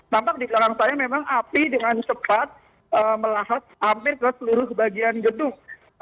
tampak di belakang saya memang api dengan cepat melahap hampir ke seluruh bagian gedung